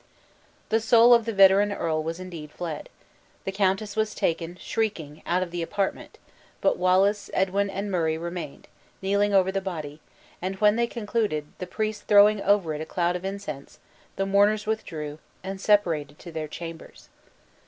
The soul of the veteran earl was indeed fled. The countess was taken, shrieking, out of the apartment; but Wallace, Edwin, and Murray remained, kneeling over the body, and when they concluded, the priests throwing over it a cloud of incense, the mourners withdrew, and separated to their chambers.